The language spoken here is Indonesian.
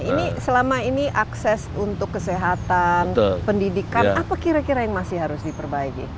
ini selama ini akses untuk kesehatan pendidikan apa kira kira yang masih harus diperbaiki